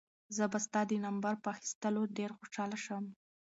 زه به ستا د نمبر په اخیستلو ډېر خوشحاله شم.